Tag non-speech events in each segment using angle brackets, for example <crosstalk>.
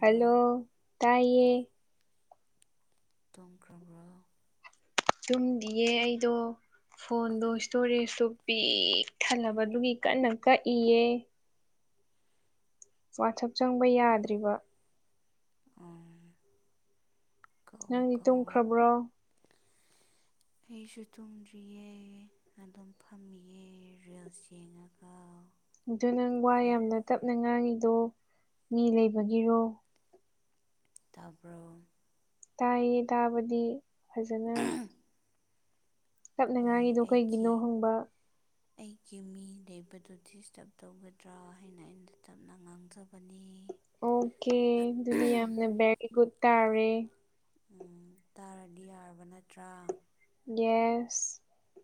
hello ꯇꯥꯏꯌꯦ ꯇꯨꯝꯈ꯭ꯔꯕ꯭ꯔꯣ ꯇꯨꯝꯗꯤꯌꯦ ꯑꯩꯗꯣ ꯐꯣꯟꯗꯣ ꯁ꯭ꯇꯣꯔꯦꯖꯇꯣ ꯄꯤꯛ ꯊꯜꯂꯕ ꯑꯗꯨꯒꯤ ꯀꯟꯅ ꯀꯛꯏꯌꯦ ꯋꯥꯠꯆꯞ ꯆꯪꯕ ꯌꯥꯗ꯭ꯔꯤꯕ ꯑꯣꯝ ꯅꯪꯗꯤ ꯇꯨꯝꯈ꯭ꯔꯕ꯭ꯔꯣ ꯑꯩꯁꯨ ꯇꯨꯝꯗ꯭ꯔꯤꯌꯦ ꯑꯗꯨꯝ ꯐꯝꯃꯤꯌꯦ ꯔꯤꯜꯁ ꯌꯦꯡꯉꯒ ꯑꯗꯨ ꯅꯪ ꯋꯥ ꯐꯦꯛ ꯌꯥꯝꯅ ꯇꯞꯅ ꯉꯥꯡꯉꯤꯗꯣ ꯃꯤ ꯂꯩꯕꯒꯤꯔꯣ ꯇꯥꯕ꯭ꯔꯣ ꯇꯥꯏꯌꯦ ꯇꯥꯕꯗꯤ ꯐꯖꯅ <unintelligible> ꯇꯞꯅꯤ ꯍꯣꯏ ꯉꯥꯏꯒꯤꯗꯣ ꯀꯩꯒꯤꯅꯣ ꯑꯩꯒꯤ ꯍꯪꯕ ꯑꯩꯒꯤ ꯃꯤ ꯂꯩꯕꯗꯨ ꯗꯤꯁꯇꯔꯕ ꯇꯧꯒꯗ꯭ꯔꯥ ꯍꯥꯏꯅ ꯑꯩꯅ ꯇꯞꯅ ꯉꯥꯡꯖꯕꯅꯤ ꯑꯣꯈꯦ ꯑꯗꯨꯗꯤ ꯌꯥꯝꯅ ꯕꯦꯔꯤꯒꯨꯠ ꯇꯥꯔꯦ ꯎꯝ ꯇꯥꯔꯗꯤ ꯌꯥꯔꯕ ꯅꯠꯇ꯭ꯔꯥ ꯌꯦꯁ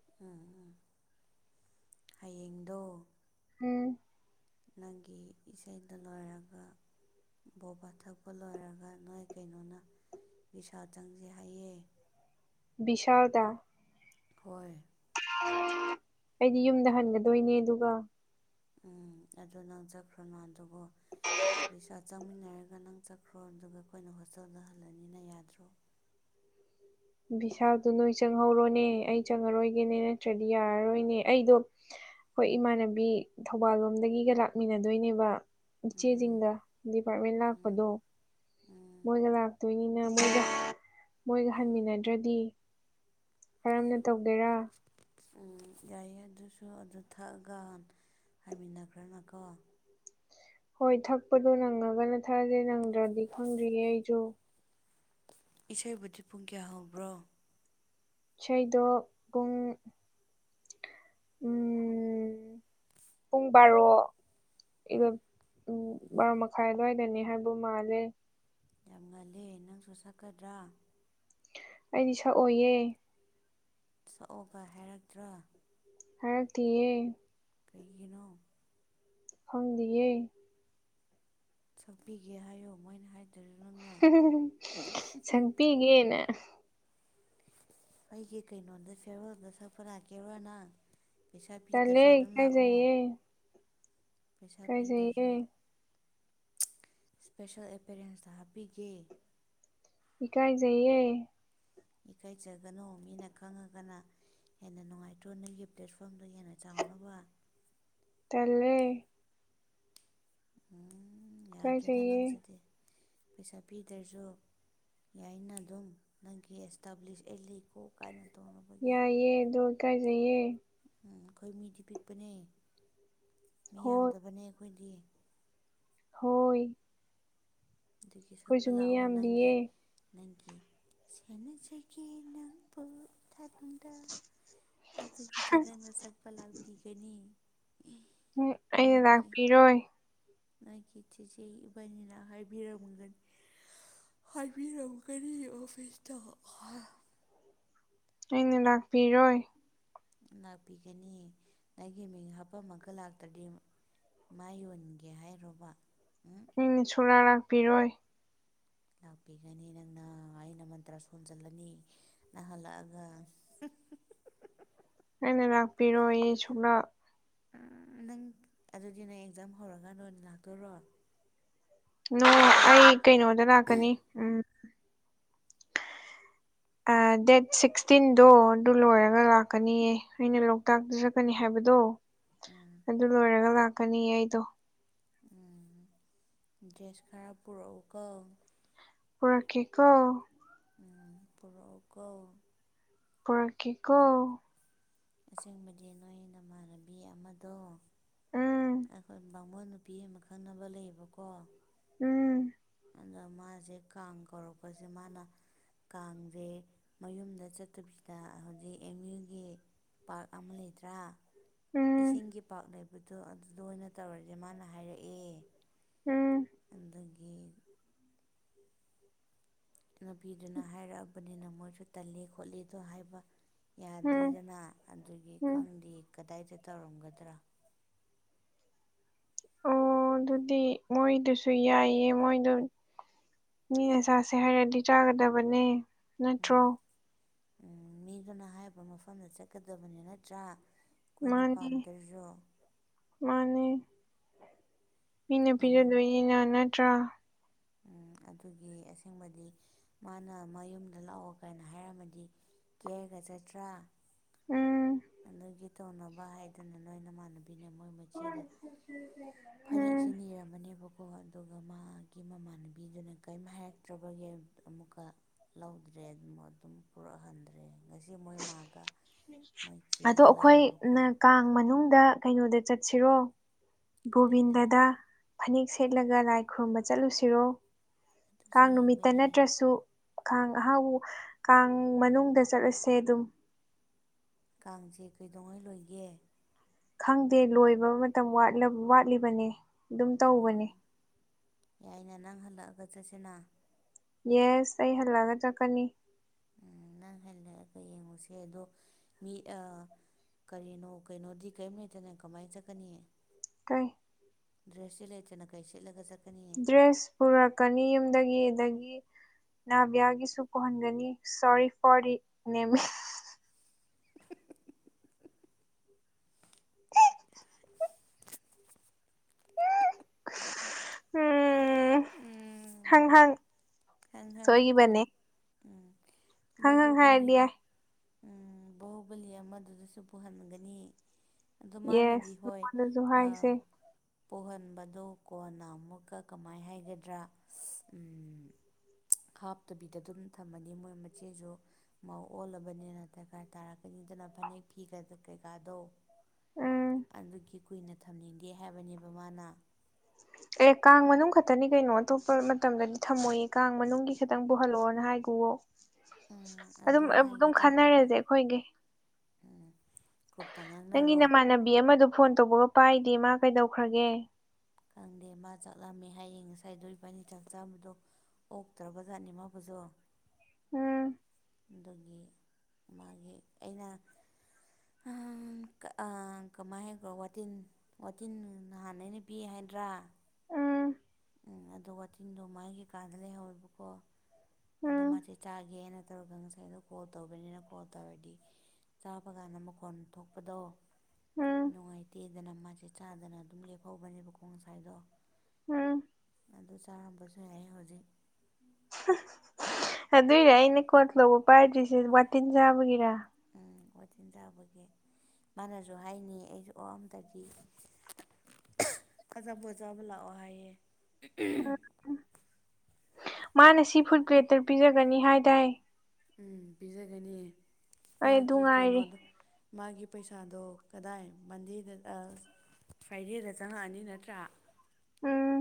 ꯑꯥ ꯑꯥ ꯍꯌꯦꯡꯗꯣ ꯎꯝ ꯅꯪꯒꯤ ꯏꯁꯩꯗꯣ ꯂꯣꯏꯔꯒꯥ ꯕꯣꯕꯥ ꯊꯛꯄ ꯂꯣꯏꯔꯒ ꯅꯣꯏ ꯀꯩꯅꯣꯅ ꯕꯤꯁꯥꯜ ꯆꯪꯖꯦ ꯍꯥꯏꯌꯦ ꯕꯤꯁꯥꯜꯗ ꯍꯣꯏ <inaudible> ꯑꯩꯗꯤ ꯌꯨꯝꯗ ꯍꯟꯒꯥꯗꯣꯏꯅꯦ ꯑꯗꯨꯒꯥ ꯎꯝ ꯑꯗꯨ ꯅꯪ ꯆꯠꯈ꯭ꯔꯣꯅꯣ ꯑꯗꯨꯕꯨ ꯕꯤꯁꯥꯜ ꯆꯪꯃꯤꯟꯅꯔꯒꯥ ꯅꯪ ꯆꯠ ꯈ꯭ꯔꯣ ꯑꯗꯨꯒ ꯑꯈꯣꯏꯅ ꯍꯣꯁꯇꯦꯜꯗꯥ ꯍꯜꯂꯅꯤꯅ ꯌꯥꯗ꯭ꯔꯣ ꯕꯤꯁꯥꯜꯗꯣ ꯅꯣꯏ ꯆꯪꯍꯧꯔꯣꯅꯦ ꯑꯩ ꯆꯪꯉꯔꯣꯏꯒꯦꯅꯦ ꯅꯠꯇ꯭ꯔꯥꯗꯤ ꯌꯥꯔꯔꯣꯏꯅꯦ ꯑꯩꯗꯣ ꯈꯣꯏ ꯏꯃꯥꯟꯅꯕꯤ ꯊꯧꯕꯥꯜ ꯂꯣꯝꯗꯒꯤꯒꯥ ꯂꯥꯛꯃꯤꯟꯅꯗꯣꯏꯅꯦꯕ ꯎꯝ ꯏꯆꯦꯖꯤꯡꯒꯥ ꯗꯤꯄꯥꯔꯠꯃꯦꯟ ꯎꯝ ꯂꯥꯛꯄꯗꯣ ꯎꯝ ꯃꯣꯏꯒꯥ ꯂꯥꯛꯇꯣꯏꯅꯤꯅ ꯃꯣꯏꯒꯥ ꯃꯣꯏꯒꯥ ꯍꯟꯃꯤꯟꯅꯗ꯭ꯔꯥꯗꯤ ꯀꯔꯝꯅ ꯇꯧꯒꯦꯔꯥ ꯎꯝ ꯌꯥꯏꯌꯦ ꯑꯗꯨꯁꯨ ꯑꯗꯨ ꯊꯛꯑꯒꯥ ꯍꯥꯏꯃꯤꯟꯅꯈ꯭ꯔꯥꯅꯀꯣ ꯍꯣꯏ ꯊꯛꯄꯗꯣ ꯅꯪꯉꯒꯥꯅ ꯊꯛꯑꯖꯦ ꯅꯪꯗ꯭ꯔꯥꯗꯤ ꯈꯪꯗꯤꯌꯦ ꯑꯩꯖꯨ ꯏꯁꯩꯕꯨꯗꯤ ꯄꯨꯡ ꯀꯌꯥ ꯍꯧꯕ꯭ꯔꯣ ꯏꯁꯩꯗꯣ ꯄꯨꯡ ꯎꯝ <inaudible> ꯄꯨꯡ ꯕꯥꯔꯣ <unintelligible> ꯎꯝ ꯕꯥꯔꯣ ꯃꯈꯥꯏ ꯑꯗꯨꯋꯥꯏꯗꯅꯦ ꯍꯥꯏꯕ ꯃꯥꯜꯂꯦ ꯌꯥꯝ ꯉꯜꯂꯦ ꯅꯪꯁꯨ ꯁꯛꯀꯥꯗ꯭ꯔꯥ ꯑꯩꯗꯤ ꯁꯛꯑꯣꯏꯌꯦ ꯁꯛꯑꯣꯒ ꯍꯥꯏꯔꯛꯇ꯭ꯔꯣ ꯍꯥꯢꯔꯛꯇꯤꯌꯦ ꯀꯩꯒꯤꯅꯣ ꯈꯪꯗꯤꯌꯦ ꯁꯛꯄꯤꯒꯦ ꯍꯥꯏꯌꯣ ꯃꯣꯏꯅ ꯍꯥꯏꯗ꯭ꯔꯥꯖꯨ ꯅꯪꯅ ꯎꯝ ꯁꯛꯄꯤꯒꯦꯅ ꯑꯩꯒꯤ ꯀꯩꯅꯣꯗꯣ ꯐꯤꯌꯔꯋꯦꯜꯗꯣ ꯁꯛꯄ ꯂꯥꯛꯀꯦꯔꯣ ꯅꯪ ꯄꯩꯁꯥ ꯇꯜꯂꯦ ꯄꯤꯗ꯭ꯔꯥꯥꯁꯨ ꯑꯗꯨꯝ ꯂꯥꯛꯑꯣ ꯏꯀꯥꯏꯖꯩꯌꯦ ꯄꯩꯁꯥ ꯏꯀꯥꯏꯖꯩꯌꯦ ꯄꯤꯗ꯭ꯔꯖꯨ ꯁ꯭ꯄꯦꯁꯤꯑꯦꯜ ꯑꯦꯄꯦꯔꯦꯟꯁꯇꯥ ꯍꯥꯞꯄꯤꯒꯦ ꯏꯀꯥꯏꯖꯩꯌꯦ ꯏꯀꯥꯏꯖꯒꯥꯅꯨ ꯃꯤꯅ ꯈꯪꯉꯒꯥꯅ ꯍꯦꯟꯅ ꯅꯨꯡꯉꯥꯏꯇ꯭ꯔꯣ ꯅꯪꯒꯤ ꯄ꯭ꯂꯦꯠꯐꯣꯝꯗꯣ ꯍꯦꯟꯅ ꯆꯥꯎꯅꯕ ꯇꯜꯂꯦ ꯎꯝ ꯌꯥꯗ꯭ꯔꯦꯗ ꯏꯀꯥꯏꯖꯩꯌꯦ ꯅꯪꯁꯤꯗꯤ ꯄꯩꯁꯥ ꯄꯤꯗ꯭ꯔꯖꯨ ꯌꯥꯏꯅ ꯑꯗꯨꯝ ꯅꯪꯒꯤ ꯑꯦꯁꯇꯥꯕ꯭ꯂꯤꯁ ꯑꯩ ꯂꯩꯀꯣ ꯀꯥꯏꯅ ꯇꯧꯅꯕ ꯌꯥꯏꯌꯦ ꯑꯗꯨ ꯏꯀꯥꯏꯖꯩꯌꯦ ꯎꯝ ꯑꯩꯈꯣꯏ ꯃꯤꯗꯤ ꯄꯤꯛꯄꯅꯦ ꯃꯤ ꯍꯣꯏ ꯌꯥꯝꯗꯕꯅꯦ ꯑꯩꯈꯣꯏꯗꯤ ꯍꯣꯏ ꯑꯗꯨꯒꯤ ꯁꯛꯄ ꯑꯩꯈꯣꯏꯁꯨ ꯃꯤ ꯂꯥꯛꯑꯣ ꯅꯪꯒꯤ ꯌꯥꯝꯗꯤꯌꯦ ꯅꯪꯒꯤ ꯁꯦꯟꯅꯖꯒꯦ ꯅꯪꯕꯨ ꯏꯊꯥꯅꯨꯡꯗ ꯑꯗꯨꯒꯤꯗꯨ ꯅꯪꯅ ꯁꯛꯄ ꯂꯥꯛꯄꯤꯒꯅꯤ ꯏ ꯍꯨꯝ ꯑꯩꯅ ꯂꯥꯛꯄꯤꯔꯣꯏ ꯅꯣꯢꯒꯤ ꯆꯤꯆꯦ ꯏꯕꯥꯅꯤꯅ ꯍꯥꯏꯕꯤꯔꯝꯒꯅꯤ ꯍꯥꯏꯕꯤꯔꯝꯀꯅꯤ ꯑꯣꯐꯤꯁꯇ ꯑꯩꯅ ꯂꯥꯛꯄꯤꯔꯣꯏ ꯂꯥꯛꯄꯤꯒꯅꯤ ꯅꯪꯒꯤ ꯃꯤꯡ ꯍꯥꯄꯝꯃꯒ ꯂꯥꯛꯇ꯭ꯔꯗꯤ__ ꯃꯥꯏ ꯌꯣꯟꯒꯦ ꯍꯥꯏꯔꯣꯕ ꯎꯝ ꯎꯝ ꯁꯨꯛ ꯂꯥꯛ ꯂꯥꯛꯄꯤꯔꯣꯏ ꯂꯥꯛꯄꯤꯒꯅꯤ ꯅꯪꯅ ꯑꯩꯅ ꯃꯟꯇ꯭ꯔꯥ ꯁꯣꯟꯖꯜꯂꯅꯤ ꯅꯪ ꯍꯜꯂꯛꯑꯒ ꯑꯩꯅꯦ ꯂꯥꯛꯄꯤꯔꯣꯢꯌꯦ ꯁꯨꯛꯂꯥꯛ ꯎꯝ ꯅꯪ ꯑꯗꯨꯗꯤ ꯅꯩ ꯑꯦꯛꯖꯥꯝ ꯍꯧꯔꯀꯥꯟꯗ ꯑꯣꯏꯅ ꯂꯥꯛꯇꯣꯏꯔꯣ ꯅꯣ ꯑꯩ ꯀꯩꯅꯣꯗ ꯂꯥꯛꯀꯅꯤ ꯎꯝ <inaudible> ꯑꯥ ꯗꯦꯠ ꯁꯤꯛꯁꯇꯤꯟꯗꯣ ꯑꯗꯨ ꯂꯣꯏꯔꯒ ꯂꯥꯛꯀꯅꯤꯌꯦ ꯑꯩꯅ ꯂꯣꯛꯇꯥꯛꯇ ꯆꯠꯀꯅꯤ ꯍꯥꯏꯕꯗꯣ ꯎꯝ ꯑꯗꯨ ꯂꯣꯏꯔꯒ ꯂꯥꯛꯀꯅꯤꯌꯦ ꯑꯩꯗꯣ ꯎꯝ ꯗ꯭ꯔꯦꯁ ꯈꯔ ꯄꯨꯔꯛꯎꯀꯣ ꯄꯨꯔꯛꯀꯦꯀꯣ ꯎꯝ ꯄꯨꯔꯛꯎꯀꯣ ꯄꯨꯔꯛꯀꯦꯀꯣ ꯑꯁꯦꯡꯕꯗꯤ ꯅꯣꯏ ꯅꯃꯥꯟꯅꯕꯤ ꯑꯃꯗꯣ ꯎꯝ ꯕꯥꯥꯃꯣꯟ ꯅꯨꯄꯤ ꯑꯃ ꯈꯪꯅꯕ ꯂꯩꯌꯦꯕꯀꯣ ꯎꯝ ꯑꯗ ꯃꯥꯖꯦ ꯀꯥꯡ ꯀꯧꯔꯛꯄꯖꯦ ꯃꯥꯅ ꯀꯥꯡꯖꯦ ꯃꯌꯨꯝꯗ ꯆꯠꯇꯕꯤꯗ ꯍꯧꯖꯤꯛ ꯑꯦꯝ ꯌꯨꯒꯤ ꯄꯥꯛ ꯑꯃ ꯂꯩꯇ꯭ꯔꯥ ꯎꯝ ꯏꯁꯤꯡꯒꯤ ꯄꯥꯛ ꯂꯩꯕꯗꯣ ꯑꯗꯨꯗ ꯑꯣꯏꯅ ꯇꯧꯔꯖꯦ ꯃꯥꯅ ꯍꯥꯏꯔꯛꯑꯦ ꯎꯝ ꯑꯗꯨꯒꯤ ꯅꯨꯄꯤꯗꯨꯅ ꯍꯥꯏꯔꯛꯑꯕꯅꯤꯅ ꯃꯣꯏꯁꯨ ꯇꯜꯂꯤ ꯈꯣꯠꯂꯤꯗꯣ ꯍꯥꯏꯕ ꯎꯝ ꯌꯥꯗ꯭ꯔꯦꯗꯅ ꯑꯗꯨꯒꯤ ꯎꯝ ꯈꯪꯗꯤ ꯀꯗꯥꯏꯗ ꯇꯧꯔꯝꯒꯗ꯭ꯔꯥ ꯑꯣ ꯑꯗꯨꯗꯤ ꯃꯣꯏꯗꯨꯁꯨ ꯌꯥꯏꯌꯦ ꯃꯣꯏꯗꯣ ꯃꯤꯅ ꯆꯥꯁꯦ ꯍꯥꯏꯔꯗꯤ ꯆꯥꯒꯗꯕꯅꯦ ꯅꯠꯇ꯭ꯔꯣ ꯎꯝ ꯎꯝ ꯃꯤꯗꯨꯅ ꯍꯥꯏꯔꯤꯕ ꯃꯐꯝꯗ ꯆꯠꯀꯗꯕꯅꯤ ꯅꯠꯇ꯭ꯔꯥ ꯑꯩꯈꯣꯏꯅ ꯃꯥꯅꯦ ꯄꯥꯝꯗ꯭ꯔꯁꯨ ꯃꯥꯅꯦ ꯃꯤꯅ ꯑꯗꯨ ꯄꯤꯌꯥꯗꯣꯏꯅꯤꯅ ꯅꯠꯇ꯭ꯔꯥ ꯎꯝ ꯑꯗꯨꯒꯤ ꯑꯁꯦꯡꯕꯗꯤ ꯃꯥꯅ ꯃꯌꯨꯝꯗ ꯂꯥꯛꯑꯣ ꯀꯥꯏꯅ ꯍꯥꯏꯔꯝꯃꯗꯤ ꯀꯦꯔꯒ ꯆꯠꯇ꯭ꯔꯥ ꯎꯝ ꯑꯗꯨꯒꯤ ꯇꯧꯅꯕ ꯍꯥꯏꯗꯨꯅ ꯅꯣꯏ ꯅꯃꯥꯟꯅꯕ__ ꯑꯩ ꯃꯣꯏ ꯃꯆꯦꯗ ꯎꯝ ꯐꯅꯦꯛꯁꯤ ꯅꯤꯔꯝꯃꯅꯤꯕ ꯀꯣ ꯑꯗꯨꯒ ꯃꯥꯒꯤ ꯃꯃꯥꯟꯅꯕꯤꯗꯨꯅ ꯀꯔꯤꯝ ꯍꯥꯏꯔꯛꯇ꯭ꯔꯕꯒꯤ ꯑꯃꯨꯛꯀ ꯂꯧꯗ꯭ꯔꯦ ꯑꯗꯨ ꯑꯗꯨꯝ ꯄꯨꯔꯛꯍꯟꯗ꯭ꯔꯦ ꯉꯁꯤ ꯃꯣꯏ ꯃꯥꯒ ꯃꯣꯏ ꯑꯗꯣ ꯆꯦꯒ ꯑꯩꯈꯣꯏ ꯂꯥꯛꯑꯦꯕꯀꯣ ꯅ ꯀꯥꯡ ꯃꯅꯨꯡꯗ ꯀꯩꯅꯣꯗ ꯆꯠꯁꯤꯔꯣ ꯀꯗꯥꯏꯗ ꯒꯣꯕꯤꯟꯗꯗ ꯐꯅꯦꯛ ꯁꯦꯠꯂꯒ ꯂꯥꯏ ꯈꯨꯔꯨꯝꯕ ꯆꯠꯂꯨꯁꯤꯔꯣ ꯑꯗꯨꯁꯨ ꯀꯥꯡ ꯌꯦꯡꯕ ꯅꯨꯃꯤꯠꯇ ꯌꯥꯏ ꯅꯠꯇ꯭ꯔꯁꯨ ꯀꯥꯡ ꯑꯍꯥꯎ ꯀꯥꯡ ꯃꯅꯨꯡꯗ ꯆꯠꯂꯁꯦ ꯑꯗꯨꯝ ꯀꯥꯡꯁꯦ ꯀꯩꯗꯧꯉꯩ ꯂꯣꯏꯒꯦ ꯈꯪꯗꯦ ꯂꯣꯏꯕ ꯃꯇꯝ ꯋꯥꯠꯂꯝ ꯋꯥꯠꯂꯤꯕꯅꯦ ꯑꯗꯨꯝ ꯑꯣ ꯇꯧꯕꯅꯦ ꯌꯥꯏꯅ ꯅꯪ ꯍꯜꯂꯛꯑꯒ ꯆꯠꯁꯤꯅ ꯌꯦꯁ ꯑꯩ ꯍꯜꯂꯛꯑꯒ ꯆꯠꯀꯅꯤ ꯎꯝ ꯅꯪ ꯍꯜꯂꯛꯑꯒ ꯌꯦꯡꯉꯨꯁꯦ ꯑꯗꯣ ꯃꯤ ꯑ ꯀꯔꯤꯅꯣ ꯀꯩꯅꯣꯗꯤ ꯀꯔꯤꯝ ꯂꯩꯇꯅ ꯀꯃꯥꯏꯅ ꯆꯠꯀꯅꯤ ꯀꯩ ꯗ꯭ꯔꯦꯁꯁꯨ ꯂꯩꯇꯅ ꯀꯩ ꯁꯦꯠꯂꯒ ꯆꯠ ꯗ꯭ꯔꯦꯁ ꯄꯨꯔꯛꯀꯅꯤ ꯌꯨꯝꯗꯒꯤ ꯑꯗꯒꯤ ꯅꯥꯚꯌꯥꯒꯤꯁꯨ ꯄꯨꯍꯟꯒꯅꯤ ꯁꯣꯔꯤ ꯐꯣꯔꯤ ꯅꯦꯃ ꯎꯝ ꯍꯥꯡ ꯍꯥꯡ ꯍꯥꯡ ꯍꯥꯡ ꯄꯨ ꯎꯝ ꯍꯪ ꯍꯪ ꯍꯥꯏꯔꯗꯤ ꯕꯍꯨꯕꯂꯤꯗ ꯌꯥꯏ ꯎꯝ ꯕꯍꯨꯕꯂꯤ ꯑꯃꯗꯨꯗꯁꯨ ꯄꯨꯍꯟꯒꯅꯤ ꯑꯗꯨ ꯃꯥꯅꯗꯤ ꯌꯦꯁ ꯍꯣꯏ ꯃꯉꯣꯟꯗꯁꯨ ꯑꯥ ꯍꯥꯏꯁꯦ ꯄꯣꯍꯟꯕꯗꯨ ꯀꯣꯟꯅ ꯑꯃꯨꯛꯀ ꯀꯃꯥꯏ ꯍꯥꯏꯒꯗ꯭ꯔꯥ ꯁꯤꯁ ꯎꯝ ꯍꯥꯞꯇꯕꯤꯗ ꯑꯗꯨꯝ ꯊꯝꯃꯅꯤ ꯃꯣꯏ ꯃꯆꯦꯖꯨ ꯃꯧ ꯑꯣꯜꯂꯕꯅꯤꯅ ꯗꯔꯀꯥꯔ ꯇꯥꯔꯛꯀꯅꯤꯗꯅ ꯐꯅꯦꯛ ꯐꯤꯒ ꯀꯩꯀꯥꯗꯣ ꯎꯝ ꯑꯗꯨꯒꯤ ꯀꯨꯏꯅ ꯊꯝꯅꯤꯡꯗꯦ ꯍꯥꯏꯕꯅꯦꯕ ꯃꯥꯅ ꯑꯦ ꯀꯥꯡ ꯃꯅꯨꯡ ꯈꯛꯇꯅꯤ ꯀꯩꯅꯣ ꯑꯇꯣꯞꯄ ꯃꯇꯝꯗꯗꯤ ꯊꯝꯃꯣꯏꯌꯦ ꯀꯥꯡ ꯃꯅꯨꯡꯒꯤ ꯈꯤꯇꯪ ꯄꯨꯍꯜꯂꯛꯑꯣꯅ ꯍꯥꯏꯒꯨꯋꯣ ꯎꯝ ꯑꯗꯨꯝ ꯑꯗꯣ ꯑꯗꯨꯝ ꯍꯥꯏꯒꯦ ꯇꯧꯕꯅꯦ ꯈꯟꯅꯔꯖꯦ ꯑꯈꯣꯏꯒꯩ ꯎꯝ ꯀ꯭ꯔꯨꯞꯇ ꯉꯥꯡ ꯅꯪꯒꯤ ꯅꯃꯥꯟꯅꯕꯤ ꯑꯃꯗꯣ ꯐꯣꯟ ꯇꯧꯕꯒ ꯄꯥꯏꯗꯦ ꯃꯥ ꯀꯩꯗꯧꯈ꯭ꯔꯒꯦ ꯈꯪꯗꯦ ꯃꯥ ꯆꯥꯛ ꯂꯥꯝꯃꯦ ꯍꯥꯏꯌꯦ ꯉꯁꯥꯏꯗꯣ ꯏꯕꯥꯅꯤ ꯆꯥꯛ ꯆꯥꯝꯕꯗꯣ ꯑꯣꯛꯇ꯭ꯔꯕꯖꯥꯠꯅꯦ ꯃꯥꯕꯨꯖꯣ ꯎꯝ ꯑꯗꯨꯒꯤ ꯃꯥꯒꯤ ꯑꯩꯅ ꯑꯥꯝ ꯑꯥ ꯀꯃꯥꯏꯅ ꯍꯥꯏꯒ꯭ꯔꯥ ꯋꯥꯇꯤꯟ ꯋꯥꯇꯤꯟ ꯅꯍꯥꯟ ꯑꯩꯅ ꯄꯤ ꯍꯥꯏꯗ꯭ꯔꯥ ꯎꯝ ꯎꯝ ꯑꯗꯣ ꯋꯥꯇꯤꯟꯗꯣ ꯃꯥꯒꯤ ꯀꯥꯗ ꯂꯩꯍꯧꯋꯦꯕꯀꯣ ꯑꯗꯣ ꯎꯝ ꯃꯥꯁꯤ ꯆꯥꯒꯦꯅ ꯇꯧꯔꯒ ꯉꯁꯥꯏꯗꯣ ꯀꯣꯜ ꯇꯧꯕꯅꯤꯅ ꯀꯣꯜ ꯇꯧꯔꯗꯤ ꯆꯥꯕ ꯀꯥꯟꯗ ꯃꯈꯣꯟ ꯊꯣꯛꯄꯗꯣ ꯎꯝ ꯅꯨꯡꯉꯥꯏꯇꯦ ꯀꯦꯗꯅ ꯃꯥꯖꯦ ꯆꯥꯗꯅ ꯑꯗꯨꯝ ꯂꯦꯞꯍꯧꯕꯅꯦꯕꯀꯣ ꯉꯁꯥꯏꯗꯣ ꯎꯝ ꯑꯗꯨ ꯆꯥꯔꯝꯕꯖꯨ ꯌꯥꯏ ꯍꯧꯖꯤꯛ ꯑꯗꯨꯏꯅꯦ ꯑꯩꯅ ꯀꯣꯠ ꯂꯧꯕ ꯄꯥꯏꯗ꯭ꯔꯤꯁꯦ ꯋꯥꯇꯤꯟ ꯁꯥꯕꯒꯤꯔꯥ ꯎꯝ ꯋꯥꯇꯤꯟ ꯆꯥꯕꯒꯤ ꯃꯥꯅꯖꯨ ꯍꯥꯏꯅꯤ ꯑꯩꯖꯨ ꯑꯣꯛ ꯑꯝꯗꯗꯤ ꯑꯆꯥꯕꯣꯠ ꯆꯥꯕ ꯂꯥꯛꯑꯣ ꯍꯥꯏꯌꯦ ꯃꯥꯅ ꯁꯤ ꯐꯨꯗ ꯒ꯭ꯔꯦꯇꯔ ꯄꯤꯖꯒꯅꯤ ꯍꯥꯏꯗꯥꯏ ꯎꯝ ꯄꯤꯖꯒꯅꯤ ꯑꯩ ꯑꯗꯨ ꯃꯥꯒꯤ ꯉꯥꯏꯔꯤ ꯀꯩꯅꯣꯗꯣ ꯃꯥꯒꯤ ꯄꯩꯁꯥꯗꯣ ꯀꯗꯥꯏ ꯃꯟꯗꯦꯗ- unintelligible ꯐ꯭ꯔꯥꯏꯗꯦꯗ ꯆꯪꯉꯛꯑꯅꯤ ꯅꯠꯇ꯭ꯔꯥ ꯎꯝ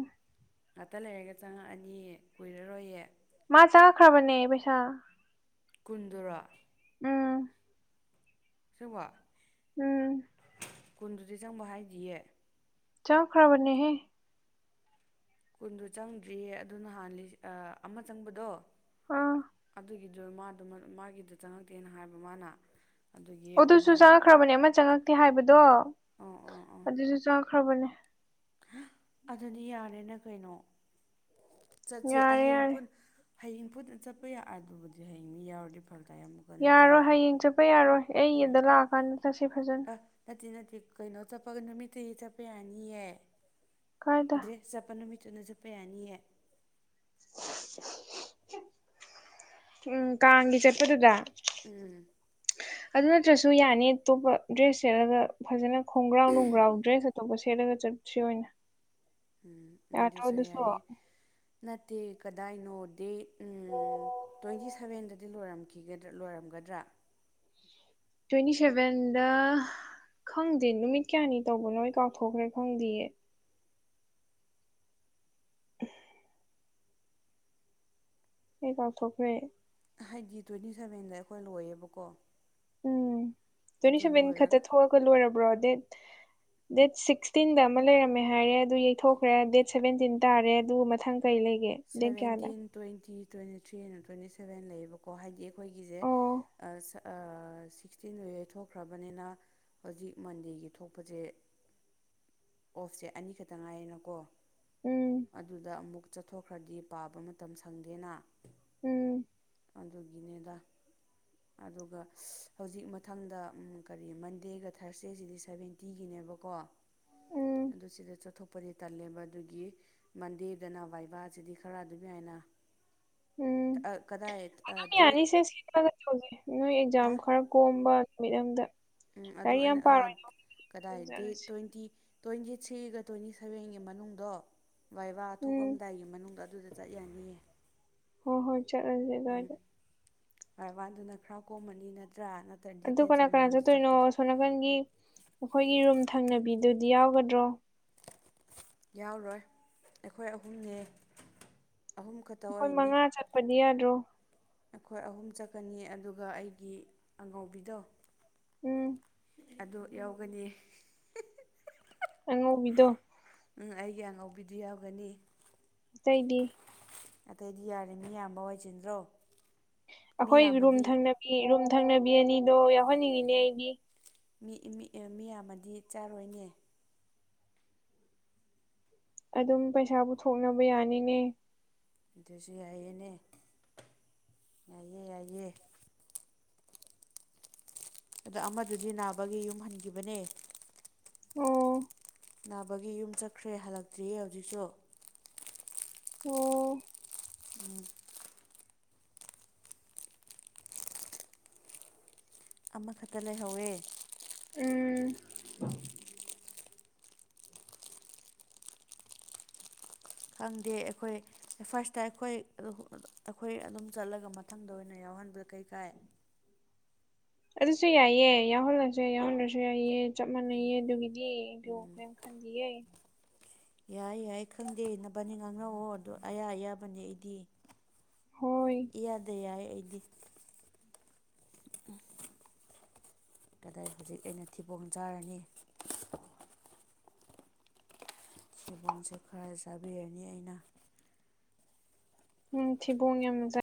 ꯉꯥꯛꯇ ꯂꯩꯔꯒ ꯆꯪꯉꯛꯑꯅꯤ ꯀꯨꯏꯔꯔꯣꯏꯌꯦ ꯃꯥ ꯆꯥꯉꯛꯈ꯭ꯔꯕꯅꯦ ꯄꯩꯁꯥ ꯀꯨꯟꯗꯨꯔꯣ ꯎꯝ ꯑꯁꯦꯡꯕ ꯎꯝ ꯀꯨꯟꯗꯨꯗꯤ ꯆꯪꯕ ꯍꯥꯏꯗꯤꯌꯦ ꯆꯪ ꯈꯔꯕꯅꯤꯍꯦ ꯀꯨꯟꯗꯨ ꯆꯪꯗ꯭ꯔꯤꯌꯦ ꯑꯗꯨ ꯅꯍꯥꯟ ꯂꯤ ꯑꯥ ꯑꯃ ꯆꯪꯕꯗꯣ ꯑꯥ ꯑꯗꯨꯒꯤꯗꯣ ꯃꯥꯗꯣ ꯃꯥꯒꯤꯗꯣ ꯆꯪꯉꯛꯇꯦꯅ ꯍꯥꯏꯕ ꯃꯥꯅ ꯑꯗꯨꯒꯤ ꯑꯗꯨꯁꯨ ꯃꯣꯏ ꯆꯪꯉꯛꯈ꯭ꯔꯕꯅꯦ ꯑꯃ ꯆꯪꯉꯛꯇꯦ ꯍꯥꯏꯕꯗꯣ ꯑꯣ ꯑꯣ ꯑꯣ ꯑꯗꯨꯁꯨ ꯆꯪꯉꯛꯈ꯭ꯔꯕꯅꯦ ꯑꯗꯨꯗꯤ ꯌꯥꯔꯦꯅ ꯀꯩꯅꯣ ꯆꯠꯁꯦ ꯌꯥꯔꯦ ꯍꯌꯦꯡ ꯌꯥꯔꯦ ꯄꯨꯟ ꯍꯌꯦꯡ ꯄꯨꯟꯅ ꯆꯠꯄ ꯌꯥ ꯑꯗꯨꯕꯨꯗꯤ ꯍꯌꯦꯡ ꯃꯤ ꯌꯥꯎꯔꯗꯤ ꯐꯔꯛ ꯇꯥꯏ ꯑꯃꯨꯛ ꯌꯥꯔꯣꯏ ꯍꯌꯦꯡ ꯆꯠꯄ ꯌꯥꯔꯣꯏ ꯑꯩ ꯑꯗ ꯂꯥꯛꯑꯀꯥꯟꯗ ꯆꯠꯁꯤ ꯐꯖꯅ ꯑ ꯅꯠꯇꯦ ꯅꯠꯇꯦ ꯀꯩꯅꯣ ꯆꯠꯄꯒ ꯅꯨꯃꯤꯠꯇꯒꯤ ꯆꯠꯄ ꯌꯥꯅꯤꯌꯦ ꯀꯥꯏꯗ ꯗ꯭ꯔꯦ ꯆꯠꯄ ꯅꯨꯃꯤꯠꯇꯨꯅ ꯆꯠꯄ ꯌꯥꯅꯤꯌꯦ ꯎꯝ ꯀꯥꯡꯒꯤ ꯆꯠꯄꯗꯨꯗ ꯎꯝ ꯑꯗꯨ ꯅꯠꯇ꯭ꯔꯁꯨ ꯌꯥꯅꯤ ꯑꯇꯣꯞꯄ ꯗ꯭ꯔꯦꯁ ꯁꯦꯠꯂꯒ ꯐꯖꯅ ꯈꯣꯡꯒ꯭ꯔꯥꯎ ꯅꯨꯡꯒ꯭ꯔꯥꯎ ꯗ꯭ꯔꯦꯁ ꯑꯇꯣꯞꯄ ꯁꯦꯠꯂꯒ ꯆꯠꯁꯤ ꯑꯣꯏꯅ ꯎꯝ ꯎꯝ ꯑꯗꯨꯁꯨ ꯌꯥꯏꯌꯦ ꯅꯠꯇꯦ ꯀꯗꯥꯏꯅꯣ ꯗꯦ ꯎꯝ ꯇ꯭ꯋꯦꯟꯇꯤ ꯁꯕꯦꯟꯗꯗꯤ ꯂꯣꯏꯔꯝꯈꯤꯒꯗ ꯂꯣꯏꯔꯝꯒꯗ꯭ꯔꯥ ꯇ꯭ꯋꯦꯟꯇꯤ ꯁꯚꯦꯟꯗ ꯈꯪꯗꯦ ꯅꯨꯃꯤꯠ ꯀꯌꯥꯅꯤ ꯇꯧꯕꯅꯣ ꯀꯥꯎꯊꯣꯛꯈ꯭ꯔꯦ ꯈꯪꯗꯤꯌꯦ <inaudible> ꯑꯩ ꯀꯥꯎꯊꯣꯛꯈ꯭ꯔꯦ ꯍꯥꯏꯗꯤ ꯇ꯭ꯋꯦꯟꯇꯤ ꯁꯕꯦꯟꯗ ꯑꯩꯈꯣꯏ ꯂꯣꯏꯔꯦꯕꯀꯣ ꯎꯝ ꯇ꯭ꯋꯦꯟꯇꯤ ꯁꯚꯦꯟ ꯂꯣꯏꯔ ꯈꯛꯇ ꯊꯣꯛꯑꯒ ꯂꯣꯏꯔꯕ꯭ꯔꯣ ꯗꯦꯠ ꯗꯦꯠ ꯁꯤꯛꯁꯇꯤꯟꯗ ꯑꯃ ꯂꯩꯔꯝꯃꯦ ꯍꯥꯏꯔꯦ ꯑꯗꯨ ꯌꯩꯊꯣꯛꯈ꯭ꯔꯦ ꯗꯦꯠ ꯁꯚꯦꯟꯇꯤꯟ ꯇꯥꯔꯦ ꯑꯗꯨ ꯃꯊꯪ ꯀꯩ ꯂꯩꯒꯦ ꯗꯦꯠ ꯀꯌꯥꯗ ꯁꯚꯦꯟꯇꯤꯟ ꯇ꯭ꯋꯦꯟꯇꯤ ꯇ꯭ꯋꯦꯟꯇꯤ ꯊ꯭ꯔꯤꯅ ꯇ꯭ꯋꯦꯟꯇꯤ ꯁꯚꯦꯟ ꯂꯩꯌꯦꯕꯀꯣ ꯍꯥꯏꯗꯤ ꯑꯩꯈꯣꯏꯒꯤꯁꯦ ꯑꯣ ꯑꯥ ꯁꯠ ꯑꯥ ꯁꯤꯛꯁꯇꯤꯟꯗꯣ ꯌꯩꯊꯣꯛꯈ꯭ꯔꯕꯅꯤꯅ ꯍꯧꯖꯤꯛ ꯃꯟꯗꯦꯒꯤ ꯊꯣꯛꯄꯖꯦ ꯑꯣꯐꯁꯦ ꯑꯅꯤꯈꯛꯇ ꯉꯥꯏꯌꯦꯅꯀꯣ ꯎꯝ ꯑꯗꯨꯗ ꯑꯃꯨꯛ ꯆꯠꯊꯣꯛꯈ꯭ꯔꯗꯤ ꯄꯥꯕ ꯃꯇꯝ ꯁꯪꯗꯦꯅ ꯎꯝ ꯑꯗꯨꯒꯤꯅꯤꯗ ꯑꯗꯨꯒ ꯍꯧꯖꯤꯛ ꯃꯊꯪꯗ ꯎꯝ ꯀꯔꯤ ꯃꯟꯗꯦꯒ ꯊꯥꯔꯁꯗꯦꯁꯤꯗꯤ ꯁꯕꯦꯟ ꯇꯤꯒꯤꯅꯦꯕꯀꯣ ꯎꯝ ꯑꯗꯨ ꯁꯤꯗ ꯆꯠꯊꯣꯛꯄꯗꯤ ꯇꯜꯂꯦꯕ ꯑꯗꯨꯒꯤ ꯃꯟꯗꯦꯗꯅ ꯕꯥꯏꯕꯥꯁꯤꯗꯤ ꯈꯔ ꯑꯗꯨꯝ ꯌꯥꯏꯅ ꯑꯥ ꯀꯗꯥꯏ ꯃꯌꯥꯝ ꯗꯦꯠ ꯌꯥꯅꯤꯁꯦ ꯁꯤꯒ ꯇꯧꯁꯦ ꯅꯣꯏ ꯑꯦꯛꯖꯥꯝ ꯍꯥ ꯈꯔ ꯀꯣꯝꯕ ꯅꯨꯃꯤꯠ ꯑꯝꯗ ꯎꯝ ꯑꯗꯨ ꯂꯥꯏꯔꯤꯛ ꯌꯥꯝ ꯑꯩꯅ ꯑꯥ ꯄꯥꯔꯣꯏꯒꯦ ꯑꯗꯨꯝ ꯀꯗꯥꯏ ꯗꯦꯠ ꯆꯠꯂꯁꯤ ꯇ꯭ꯋꯦꯟꯇꯤ ꯇ꯭ꯋꯦꯟꯇꯤ ꯊ꯭ꯔꯤꯒ ꯇ꯭ꯋꯦꯟꯇꯤ ꯁꯚꯦꯟꯒꯤ ꯃꯅꯨꯡꯗꯣ ꯕꯥꯏꯕꯥ ꯎꯝ ꯊꯣꯛꯑꯝꯗꯥꯏꯒꯤ ꯃꯅꯨꯡꯗ ꯗꯨꯗ ꯆꯠ ꯌꯥꯅꯤꯌꯦ ꯍꯣꯏ ꯍꯣꯏ ꯆꯠꯂꯁꯤ ꯑꯗꯥꯏꯗ ꯑꯔꯋꯥꯟꯗꯨꯅ ꯈꯔ ꯀꯣꯝꯃꯅꯤ ꯅꯠꯇ꯭ꯔꯥ ꯅꯠꯇ꯭ꯔꯗꯤ ꯇꯦꯟꯁꯟꯗ ꯆꯠꯄꯗꯨ ꯁꯣꯝꯅꯥꯀꯟꯒꯤ ꯑꯩꯈꯣꯏꯒꯤ ꯔꯨꯝ ꯊꯪꯅꯕꯤꯗꯨꯗꯤ ꯌꯥꯎꯒꯗ꯭ꯔꯣ ꯌꯥꯎꯔꯣꯏ ꯑꯩꯈꯣꯏ ꯑꯍꯨꯝꯅꯦ ꯑꯍꯨꯝ ꯈꯠ ꯑꯩꯈꯣꯏ ꯃꯉꯥ ꯆꯠꯄꯗꯤ ꯌꯥꯗ꯭ꯔꯣ ꯑꯩꯈꯣꯏ ꯑꯍꯨꯝ ꯆꯠꯀꯅꯤ ꯑꯗꯨꯒ ꯑꯩꯒꯤ ꯑꯉꯧꯕꯤꯗꯣ ꯎꯝ ꯑꯗꯨ ꯌꯥꯎꯒꯅꯤ <unintelligible> ꯑꯉꯧꯕꯤꯗꯣ ꯎꯝ ꯑꯩꯒꯤ ꯑꯉꯧꯕꯤꯗꯨ ꯌꯥꯎꯒꯅꯤ ꯑꯇꯩꯗꯤ ꯑꯇꯩꯗꯤ ꯌꯥꯔꯦ ꯃꯤ ꯌꯥꯝꯕ ꯋꯥꯏ ꯆꯤꯟꯗ꯭ꯔꯣ ꯃꯤ ꯑꯈꯣꯏ ꯔꯨꯝ ꯌꯥꯝꯃꯗꯤ ꯊꯪꯅꯕꯤ ꯔꯨꯝ ꯊꯪꯅꯕꯤ ꯑꯅꯤꯗꯣ ꯌꯥꯎꯍꯟꯅꯤꯡꯉꯤꯅꯦ ꯑꯩꯗꯤ ꯃꯤ ꯃꯤ ꯑꯦ ꯃꯤ ꯌꯥꯝꯃꯗꯤ ꯆꯥꯔꯣꯏꯅꯦ ꯑꯗꯨꯝ ꯄꯩꯁꯥ ꯄꯨꯊꯣꯛꯅꯕ ꯌꯥꯅꯤꯅꯦ ꯑꯗꯨꯁꯨ ꯌꯥꯏꯑꯦꯅꯦ ꯌꯥꯏꯌꯦ ꯌꯥꯏꯌꯦ ꯑꯗꯣ ꯑꯃꯗꯨꯗꯤ ꯅꯥꯕꯒꯤ ꯌꯨꯝ ꯍꯟꯈꯤꯕꯅꯦ ꯑꯣ ꯅꯥꯕꯒꯤ ꯌꯨꯝ ꯆꯠꯈ꯭ꯔꯦ ꯍꯜꯂꯛꯇ꯭ꯔꯤꯌꯦ ꯍꯧꯖꯤꯛꯁꯨ ꯑꯣ ꯎꯝ ꯑꯃꯈꯠꯇ ꯂꯩꯍꯧꯋꯦ ꯎꯝ ꯈꯪꯗꯦ ꯑꯩꯈꯣꯏ ꯐꯥꯔꯁꯇ ꯑꯩꯈꯣꯏ <unintelligible> ꯑꯩꯈꯣꯏ ꯑꯗꯨꯝ ꯆꯠꯂꯒ ꯃꯊꯪꯗ ꯑꯣꯏꯅ ꯌꯥꯎꯍꯟꯕꯗ ꯀꯩ ꯀꯥꯏ ꯑꯗꯨꯁꯨ ꯌꯥꯏꯌꯦ ꯌꯥꯎꯍꯜꯂꯁꯦ ꯌꯥꯎꯍꯟꯗ꯭ꯔꯁꯨ ꯌꯥꯏꯑ ꯆꯞ ꯃꯥꯟꯅꯩꯌꯦ ꯑꯗꯨꯒꯤꯗꯤ ꯎꯝ <unintelligible> ꯈꯥꯟꯗꯤꯌꯦ ꯌꯥꯏ ꯌꯥꯏ ꯈꯪꯗꯦ ꯅꯕꯥꯅꯤ ꯉꯥꯡꯅꯧꯑꯣ ꯑꯗꯣ ꯑꯌꯥ ꯑꯌꯥꯕꯅꯦ ꯑꯩꯗꯤ ꯍꯣꯏ ꯏꯌꯥꯗ ꯌꯥꯏ ꯑꯩꯗꯤ <unintelligible> ꯀꯗꯥꯏ ꯍꯧꯖꯤꯛ ꯑꯩꯅ ꯊꯤꯕꯣꯡ ꯆꯥꯔꯅꯤ ꯊꯤꯕꯣꯡꯁꯦ ꯈꯔ ꯆꯥꯕꯤꯔꯅꯤ ꯑꯩꯅ ꯅꯥꯡ ꯊꯤꯕꯣꯡ ꯌꯥꯝꯅꯖꯥꯏ